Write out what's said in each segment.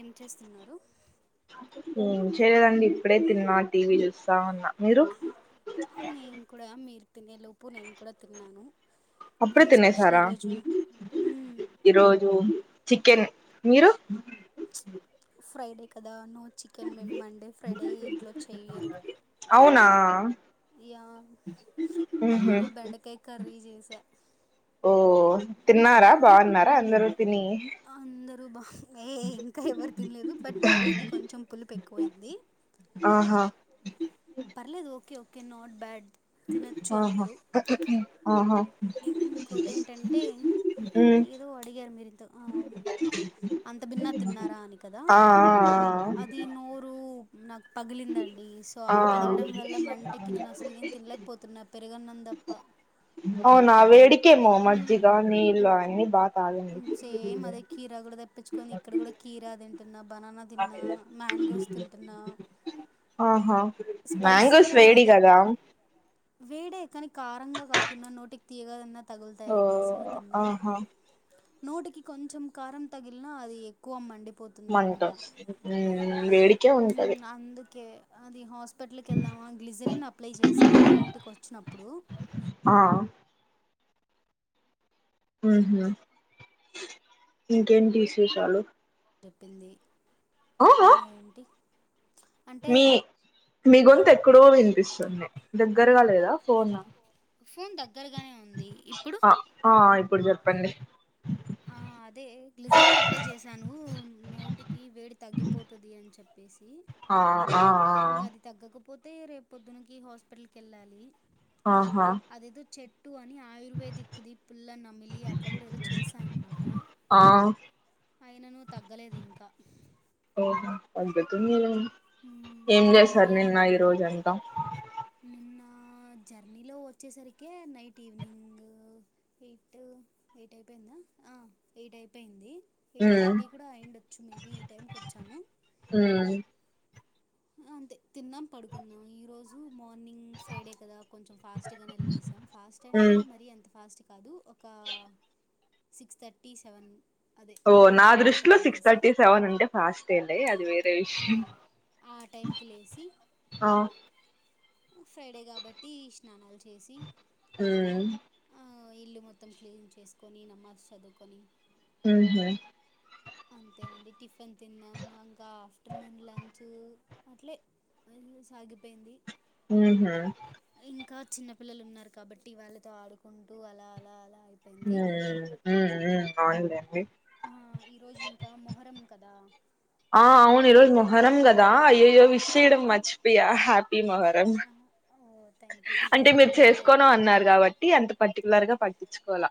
ఏం చేస్తున్నారు ఏం చేయలేదండి ఇప్పుడే తిన్నా టీవీ చూస్తా ఉన్నా మీరు నేను కూడా మీరు తినే లోపు నేను కూడా తిన్నాను అప్పుడే ఏం స్పెషల్ తినేశారా ఈరోజు మ్మ్ ఈరోజు చికెన్ మీరు ఫ్రైడే కదా నో చికెన్ మేమ్ మండే ఫ్రైడే ఇంట్లో చేయ్యరు అవునా యా ఉహు నేనే బెండకాయ కర్రీ జేసా ఓ తిన్నారా బాగున్నారా అందరు తిని రుబా ఏ ఇంకా ఎవరు తినలేదు బట్ బానే ఉంది కొంచెం పులుపు ఎక్కువయింది ఆహా పర్లేదు ఓకే ఓకే నాట్ బ్యాడ్ తినచ్చు ఆహా అందరూ ఆహా ఇంకోటి ఏంటంటే ఉమ్ ఏదో అడిగారు మీరు ఆహో అంత భిన్న తిన్నారా అని కదా ఆ అది నోరు నాకు పగిలిందండి సో ఆ పగలడం వల్ల మంటకి నేను అసలు ఇమి తినలేకపోతున్నా పెరుగన్నం తప్ప ఆ వేడికే మొ మ్మ్ మ్మజిగా నీళ్ళు తాగండి బా సేమ్ అదే కీరా కూడా తెప్పించుకని ఇక్కడ కూడా కీరా తింటున్న బనానా తిన్నా మ్యాంగోస్ ఆహా స్పైసి మ్యాంగోస్ గా వేడి అదే కదా వేడే కానీ క రంగా కాకుండా నోటికి తీయగాదన్నా ఓ తగులుతాయనేసి తిన్నా ఆహా నోటికి కొంచెం కారం తగిలిన అది ఎక్కువమ్మండి మంట ఉ వేడికే ఉంటది అందుకే అది హాస్పిటల్ కి వెళ్దామా గ్లిజరిన్ అప్లై చేశాను ఇంటికి వచ్చినప్పుడు ఆ ఉహ్ ఇంకేంటి విశేషాలు చెప్పింది ఆ హా అంటే మీ గొంతు ఎక్కడో వినిపిస్తుంది దగ్గరగా లేదా ఫోన్ ఫోన్ దగ్గరగానే ఉంది ఇప్పుడు ఆ ఆ ఇప్పుడు చెప్పండి ఆ అదే గ్లిజరీన్ అప్లై చేశాను నోటికి వేడి తగ్గిపోతది అని చెప్ అనేసి ఆ ఆ ఇంకా ఆ అది తగ్గకపోతే రేపు పొద్దుననికి హాస్పిటల్కి వెళ్ళాలి ఆహా అదేదో చెట్టు అని ఆయుర్వేదిక్ దీపుల నమిలి అట్లా కూడా ఏదో చేసి ఆ అయిన నువ్ తగ్గలేదు ఇంకా తగ్గుతుంది మ్మ్. ఏం చేశారు మీరేం నిన్న ఈ రోజ అంత ఆ జర్నీలో వచ్చేసరికి నైట్ ఈవినింగ్ ఎయిట్ ఎయిట్ అయిపోయిందా ఆ ఎయిట్ అయిపోయింది ఎయిట్ ఉమ్ థర్టీ కూడా అయిండొచ్చు మేబి ఈ టైంకి వచ్చాము ఉమ్ అంతే తిన్నాం పడుకున్నాం ఈ రోజు మార్నింగ్ ఫ్రైడే కదా కొంచెం ఫాస్ట్గా నే లెస్నమ్ ఫాస్ట్ అంటే ఉమ్ మరి అంత ఫాస్ట్ కాదు ఒకా సిక్స్ థర్టీ సెవెన్ అదే ఓ నా ఆరున్నర ఏడు దృష్ట్లో కలా సిక్స్ లేసా థర్టీ సెవన్ అంటే ఫాస్టేలే తెల్సి ఆ టైంకి లేసి ఆ ఫ్రైడే కాబట్టి స్నానాలు చేసి ఉమ్ అ ఇల్లు మొత్తం క్లీన్ చేసుకొని నమాస్ చదువుకొని ఉహ్ అంతేనండి టిఫిన్ తిన్నాము ఇంకా ఆఫ్టర్నూన్ లంచ్ అట్లే అది సాగిపోయింది ఉహు ఇంకా చిన్న పిల్లలు ఉన్నారు కాబట్టి వాళ్ళతో ఆడుకుంటూ అలా అలా అలా హు అయిపోయింది ఉ ఉ అవునలే అండి ఈరోజు ఇంకా మొహరం కదా ఆ అవును ఈ రోజు మొహరం కదా అయ్యోయ్యో విష్ చేయడం మర్చిపోయా హ్యాపీ మొహరం ఎం ఓ థ్యాంక్ యూ అంటే థ్యాంక్ యూ మీరు పర్లేదు చేసుకోను అన్నారు కాబట్టి అంత పర్టికులర్ గా పట్టిచుకోల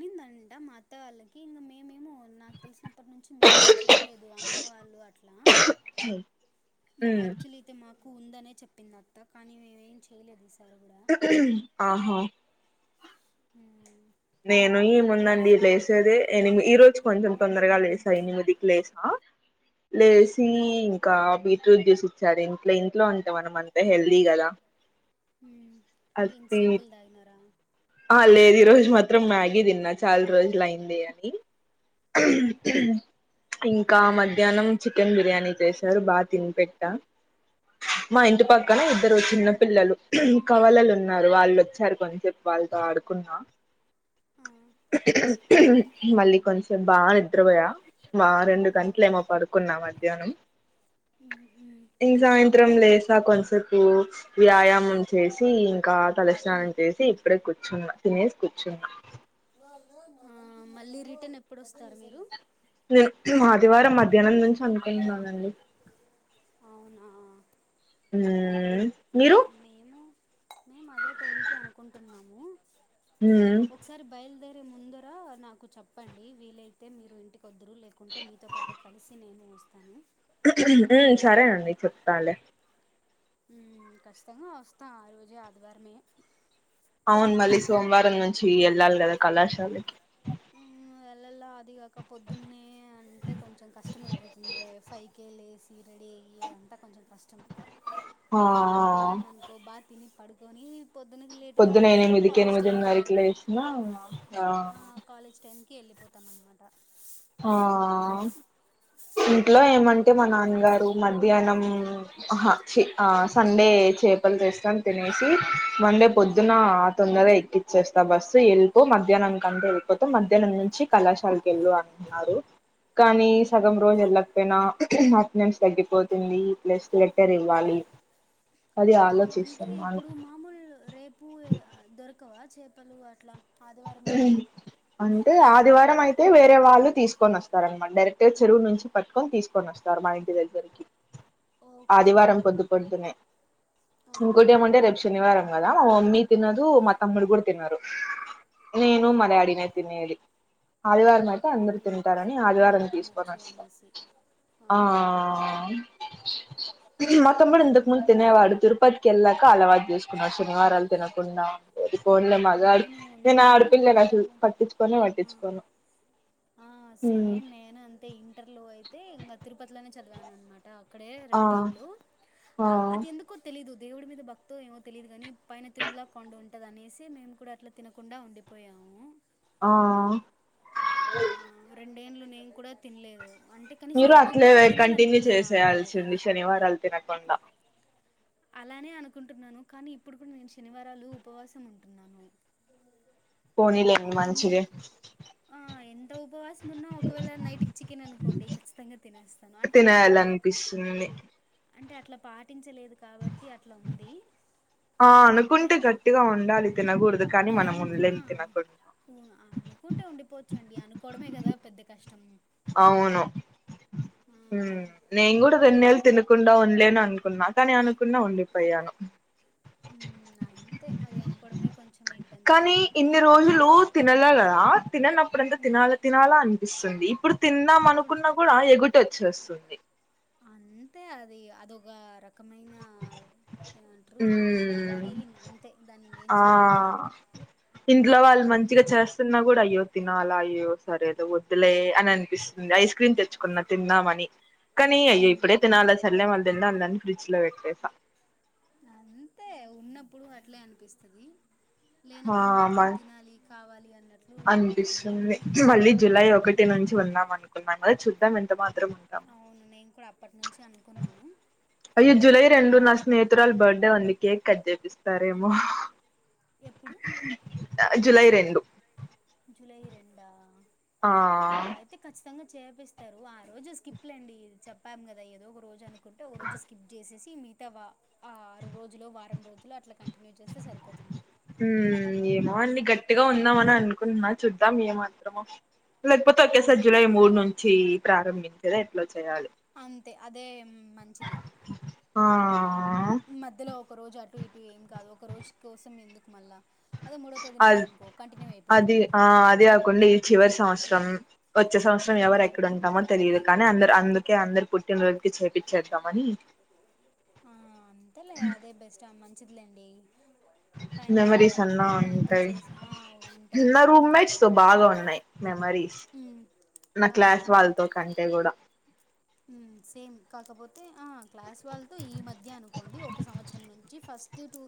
నిందంట మా అత్త వాళ్ళకి ఇంకా మేమేమో నాకు తెలిసినప్పటి నుంచి మేం చెయలేదు అమ్మ వాళ్ళు అట్లా ఉమ్ యాక్చువల్ అయితే మాకు ఉందనే చెప్పిందత్త కానీ మేమేం చేయలేదు ఈసారి కూడా ఆహా ఉ నేను ఈ ముందండి లేసేదే ఎనిమి ఈ రోజు కొంచెం తొందరగా లేసా ఎనిమిది కి లేసా లేసి ఇంకా బీట్రూట్ జ్యూస్ ఇచ్చారు ఇంట్లో ఇంట్లో అంటే మనం అంతే హెల్దీ కదా హు ఏన్ అది సూపల్ తాగినారా ఆ లేదు ఈ రోజు మాత్రం మ్యాగీ తిన్నా చాలా రోజులు అయింది అని ఇంకా మ్మ్. మధ్యాహ్నం చికెన్ బిర్యానీ చేశారు బాగా తినిపెట్ట మా ఆ, ఇంటి పక్కన ఇద్దరు చిన్న పిల్లలు కవలలు ఉన్నారు వాళ్ళు వచ్చారు కొని చెప్ప వాళ్ళతో ఆడుకున్నా ఆ, మళ్ళీ కొంచ్సేప్ బాగా నిద్రపోయా మా రెండు ఆ, గంట్లేమో పడుకున్నా మధ్యాహ్నం మ్మ్, మ్మ్, ఈ సాయంత్రం లేస్ ఇంకా కొంతసేపు వ్యాయామం చేసి ఇంకా తలస్నానం మ్మ్. చేసి కూర్చున్న తినేస్ కూర్చున్నా ఆ మళ్ళీ రిటర్న్ ఎప్పుడు వస్తారు మీరు నేను ఆదివారం మధ్యాహ్నం నుంచి అనుకుంటున్నానండి అవునా హ్ మేము మేము అదే టైం కి అనుకుంటున్నాము మ్మ్ ఒకసారి బయలుదేరి ముందర నాకు చెప్పండి వీలైతే మీరు ఇంటికి కొద్రు లేకుంటే మీతో పాటే కలిసి నేను వస్తాను సరేనండి చెప్తాలే ఉ కష్టంగా వస్తాం ఆ రోజు ఆదివారమే అవును మళ్ళీ సోమవారం నుంచి వెళ్ళాలి కదా కళాశాలకి వెళ్లాల అదిగాక పొద్దున్న అంటే కొంచెం కష్టమయిపోతుంది ఫైవ్ కే లేసి రెడీ అయ్యి అ అంతా కొంచెం కష్టం ఆ అదే అక్కడికి వెళ్ళామ అనుకో బా తిని పడుకొని పొద్దునకి లేటుగా పొద్దున లేసినా ఎనిమిదికి కాలేజ్ టైంకి ఎనిమిదినరకి వెళ్ళి లెసినా ఆ టెన్కి ఎల్లి పోతాం అన్నమాట ఆ ఇంట్లో ఏమంటే మా నాన్నగారు మ మధ్యాహ్నం ఆహా చి ఆ సండే చేపలు చేస్తాం తినేసి మండే పొద్దున అ తొందర ఎక్కి చేేస్తా బస్సు వెళ్ళి మధ్యాహ్నం కంటే వెళ్ళిపోత మధ్యాహ్నం నుంచి కళాశాలకు వెళ్ళు అంటున్నారు కానీ సగం రోజు వెళ్ళకపోయినా అటెండెన్స్ తగ్గిపోతు తుంది ప్లస్ లెటర్ ఇవ్వాలి అది ఆ అంటే ఆలోచిస్తున్నాను ఇప్పుడు మామూలు రేపు దొరకవా చేపలు అట్లా ఆదివారమేనా అంటే ఆదివారం అయితే వేర వాళ్ళు తీసుకొని వస్తారనమాట డైరెక్ట్గా చెరువు నుంచి పట్టుకొని తీసుకొని వస్తారు మా ఇంటి దగ్గరకి ఓకే ఆదివారం పొద్దుపొద్దున్నే ఇంకోటి ఆ ఏమంటే రేపు శనివారం కదా మా మమ్మీ తిన్నదు మా తమ్డు కూడా తిన్నరు ఆ నేను మ డాడీ నే తినేది ఆదివారం ఐతే అందరుూ ఓకే తింటారని ఆదివారం అందరు తీసుకోని తినొచ్చు వస్తాం అనేసి ఆ ఆ ఇది మొత్తం కూడా ఇంతకు ముందు పర్లేదులేండి తినేవాడు. తిరుపతికి వెళ్ళాక అలవాటు చేసుకున్నాచ్చు. శనివారాలు తినకుండా ఉంటే అది ఫోన్ లో మగాడు అవును నేను ఆడపిల్లని అసలు ఇంటర్లో పట్టించుకొని పట్టి చ్చుకోను అ సేమ్ నేను అంతే ఇంటర్లు అయితే ఇంకా తిరుపతిలోనే చదివాను అనమాట. అ అక్కడే ఆ రెండేళ్ళు ఆ అ అది ఎందుకో తెలీదు దేవుడి మీద భక్తి ఏమో తెలియదుగానీ పైన తిరుమలా కొండ ఉంటది అనేసి మేము కూడా అట్లా తినకుండా ఉండిపోయాము. అ ఆ ఆ నేన్లు నేను కూడా తినలేదు. అంటే కనీసం మీరు ఎగ్గు అట్లే కూడా కంటిన్యూ తినాలనిపిలే నాకు చేసేయాల్సి ఉంది శనివారాలు తినకుండా అలానే అనుకుంటున్నాను కానీ ఇప్పుడు కూడా నేను శనివారాలు ఉపవాసం ఉంటున్నాను. పోనీ లే ఎన్ని మంచిదే ఆ ఎంత ఉపవాసం ఉన్నా ఒకవేళ నైట్కి చికెన్ అనుకోండి ఖచ్చితంగా తినేస్తాను అంటే నేను అట్లా లన్ పిస్తుంది. అంటే అట్లా పాటించలేదు కాబట్టి అట్లా ఉంది. ఆ అనుకుంటే ఏమో గట్టిగా ఉండాలి తినకూడదు కానీ మనం ఎన్ ఆ ఉండలేం తినకుండా ఉ అనుకుంటే ఉండిపోవచ్చండి అనుకోవడమే పెద్ద కష్టం అవును ఆ మ్ నేను కూడా రెండు నెల్లు తిన కుండా ఉండలేను అనుకున్నా కానీ అనుకున్నా ఉండిపోయాను. ఉ అంతే అది అనుకోడమె కానీ ఇన్ని రోజులు తినలె కదా తిననప్పుడంతా ఉమ్, తినాలా తినాలా అనిపిస్తది. తిందాం ఇప్పుడు అనుకున్నప్పుడు ఆ ఎగుటు వచ్చేస్తుంది. అంతే అది అది ఒక రక ఉమ్ ఫీలింగ్ అంతే దాన్ని ఇంకేం ఆ చేయలేం మనం ఇంట్లో వాళ్ళు ఇన్ మంచిగా చేస్తున్న కూడా అయ్యో తినాలయ్యో సరే ఏదో వద్దులే అని అనిపిస్తుంది. ఐస్ క్రీమ్ తెచ్చుకున్న తిందామని కానీ అయ్య ఉమ్ ఇప్పుడే తినాల సర్లే మళ్ళీ తిందానన్ ఫ్రిడ్జ్ లో పెట్టు అంతే ఉన్నప్పుడు అట్లే అనిపిస్తది. లేనప్పుడు మాత్రం ఆ తినాలి కావాలి అని అనిపిస్తుంది. మళ్ళీ జులై ఒకటి నుంచి ఉమ్ ఉన్నాం అనుకున్నాం కదా చూద్దాం ఎంత మా త్రం అమ్ కున్నాను అయ్యో జులై రెండు నా స్నేహితురాలు బర్త్డే ఉంది కేక్ కట్ చేపిస్తారేమో ఎప్పుడు జులై రెండు జూలై రెండ ఆ చేపిస్తారు ఆ రోజు స్కిప్ లె అండి చెప్పాము కదా ఏదో ఒక రోజు అనుకుంటే ఓ రోజు స్కిప్ చేసి ఈ మితవా ఆ ఆరు రోజులు, వారం రోజులు అట్లా కంటిన్యూ చేస్తే సరిపోతుంది. ఉ ఏమో అండి గట్టిగా ఉందాము అని అనుకుంటున్నా చూద్దాం ఏమాత్రమో లేకపోతే ఒకేసారి జూలై మ్మ్ మూడు నుంచి ప్రారంభించేదా ఎట్లా చేయాలి. అంతే అదేమ్ ఆ మధ్యలో ఒక రోజు అటు ఇటు ఏం కాదు ఒక రోజు కోసం ఎందుకు మల్ల అద్ అది అయిపోతుంది ఆ అది ఆకొండి ఈ చివరి సంవత్సరం ఒచ్చే సంవత్సరం ఎవర్ మ్మ్ ఎక్కడ ఉంటామో తెలీదు కానీ అందరు అందుకే అందరు పుట్టినరోజుకి చెప్పిచేద్దమని ఆ అంతేలే అదే బెస్ట్ ఆమె మంచిదిలేండి ఫైనల్ ఇయర్ మెమరీస్ అన్నా కాబట్టి ఇంక అంతా ఉంటాయి చేసి ఆ ఉంటాయి నా రూమ్ మేట్స్ తో బాగా ఉన్నాయి మెమరీస్ ఉ నా క్లాస్ వాళ్ళతో కంటే కూడా ఉమ్ సేమ్ కాకపోతే ఆ క్లాస్ వాళ్ళతో ఈ టీటు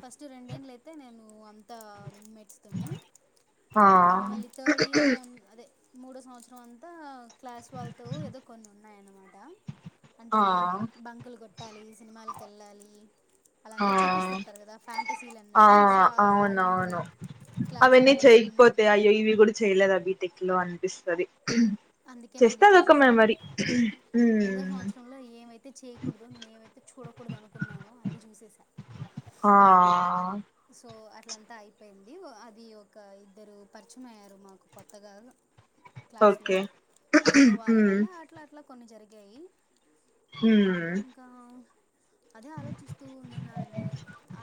ఫస్ట్ రెండేన్లు అయితే నేను అంత రూమె ట్స్ తోని ఆ మళ్ళీ థర్డ్ ఇయర్ అదే మూడో సంవత్సరం అంతా క్లాస్ వాళ్ళతో ఏదో కొన్ని ఉన్నాయ్ అన్నమాట అంటే ఆ బంకులు కొట్టాలి సినిమాలక్ ఎళ్ళాలి అళ్ళంతా చూపిస్తు ఆ ఉంటారు కదా ఫ్యాంటసీలు ఆ అన్నట్లు సో అలాంటివె అవునవును అవన్నీ చేయకపోతే అయ్యో ఇవి కూడా చేయలేదా బీటెక్ లో అన్పిస్తది చేస్తె అందుకేనండి అదొక చేసేసా మెమరి తె చేయకూడదు నే ఏవైతే చూడకూడదు అనుకున్నానో అన్ని చూసేసా ఆ సో అట్లంతా అయిపోయింది ఒ అది ఒక ఇద్దరు పరిచయం అయ్యారు మాకు కొత్తగా క్లాస్లో ఓకే సో వాళ్ళ మ్మ్ వల్ల అట్లా అట్లా కొన్ని జరిగాయి మ్మ్ ఇంకా అదే ఆలోచిస్తూ ఉన్నునానండి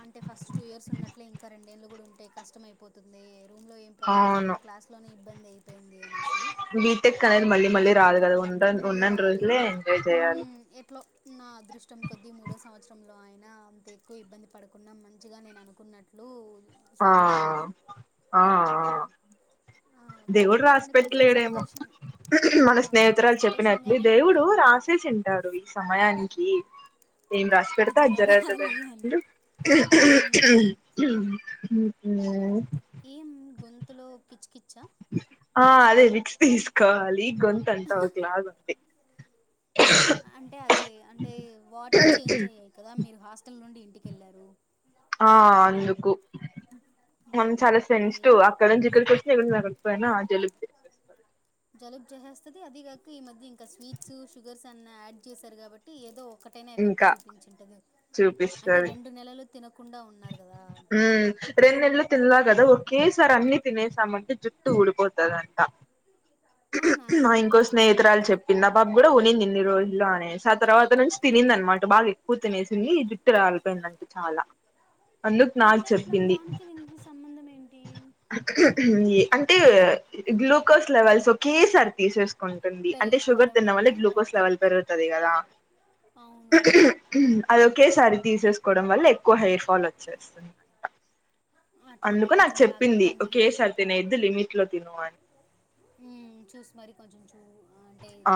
అంటే ఫస్ట్ టూ ఇయర్స్ ఉన్నట్లే ఇంకా రెన్ నేల్లు కూడా ఉంటయ్ కష్టం అయిపోతుంది రూమ్ లో ఏం ప్రాబ్లం లేదు అవును క్లాస్ లోనే ఇబ్బంది అయిపోయింది అనేసి బీటెక్ కనేది మళ్ళీ మళ్ళీ రాదు కద ఉ ఉ ఉన్నన్ని రోజులే ఎంజాయ్ చేయాలి పలక్ణ ఆ అదృష్టం కొద్ద్దీ మూడో సంవత్సరంలో ఆయన అంత ఎక్కువ ఇబ్బంది పడుకున్నా మంచిగా నేను అనుకున్నట్లు ఆ సాగిపోయింది ఆ ఆ దేవుడు కాబట్టి రాసి దానికి కొంచెం పెట్టలేడేమో సంతోషం ఆ, మన కొంచెం స్నేహితురాలు చెప్పినట్లి సంతోషంగానే దేవుడు ఉన్నానన్నమాట రాసేసింటారు ఈ సమయానికి ఏం రాసి ఇది పెడతా అది జరగాలి జరతదని అని ఇంకేమి మ్మ్. తులో కిచ్ కిచ్ ఆ అదే ఫిక్స్ తీసుకోవాలి గొంతంతా ఒకలాగుంది అంటే అదే అంటే వాటర్ చేంజ్ అయ్యాయి కదా మీరు హాస్ తల్ నుండి ఇంటికెళ్ళారు ఆ అందుకు మ్మ్. మనం చాలా సెన్సిటివ్ ఏమో అక్కడ నుంచి ఇక్కడికి వస్తె జకపోయినా ఆ జలుబే జలుబ్ జెసేస్తది అదే కాక ఈ మధ్య ఇంకా స్వీట్స్ షుగర్స్ అన్నా యాడ్ చేశారు కాబట్టి ఏదో ఒకటైనా ఎఫెక్ట్ ఇంకా చూపించింటది అంటే చూపిస్తది రెండు నెలలు తినకుండా ఉన్నారు కదా రెండు నెలలు తిన్నా కదా ఒకేసారి అన్ని తినేసామంటే జుట్టు ఊడిపోతదంట అవునా నా ఇంకో స్నేహితురాలు చెప్ పింది ఆ పాప కూడా ఉనింనింది ఇన్ని రోజులు అనేసి ఆ తర్వాత నుంచి తినింది అనమాట బాగా ఎక్కువ తినేసింది ఈ జుట్ రాలిపోయిందండి చాలా అందుకు నాకు అట్లెట్ల చెప్పింది దానికి దీనికి సంబంధం ఏంటి అంటే గ్లూకోస్ లెవెల్స్ ఒకే సారి తీసే ఉంటుంది అంటే షుగర్ పెరిగిపోవడం తిన్నడం వల్ల వల్లే గ్లూకోస్ ఓకే లెవెల్ పెరుగుతది కదా అవునవును అది ఒకేసారి తీసేసుకోవడం వల్ల ఎక్ ఎక్కువ హెయిర్ ఫాల్ వచ్చేస్తుంది ఇంకా అట్లయితే అందుకు నాకు కొంచెం జాగ్రత్త చెప్పింది అండి ఒకే సారి తినేద్దు లిమిట్ లో తిను అని ఉ చూసి మరి కొంచెం చూ అంటే ఆ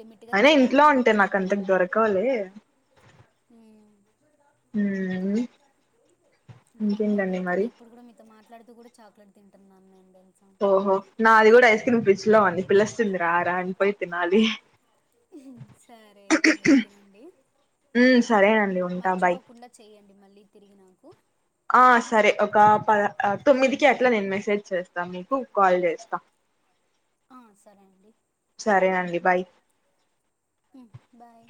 లిమిట్గా అయినా తినండి ఇంట్లో అంటే నాకు అంతకు దొరకవులే ఉమ్ ఊ నేను అదే కానీ ఇప్పుడు కూడా మీతో మాట్లాడుతూ కూడా చాక్లెట్ తింటున్నాను నేను తెలుసా ఓహో నాది కూడా ఐస్ క్రీమ్ ఫ్రిజ్ లో అంది పిల్లొస్తుంది రా రా అనిపోయి తినాలి సరే అయితే మరి తినండి ఉ సరే అండి ఉంటా బాయ్ మర్చిపోకుండా చేయండి మళ్ళీ తిరిగి నాకు ఆ సరే ఒక ప తొమ్మిదికి అట్లా నేను మెసేజ్ చేస్తాను మీకు కాల్ చేస్తా ఆ సరే అండి సరేనండి బాయ్ ఉమ్, బాయ్